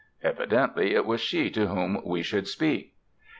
Evidently it was she to whom we should speak.